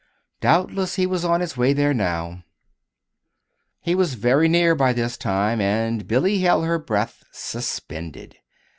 Doubtless he was on his way there now. He was very near by this time, and Billy held her breath suspended.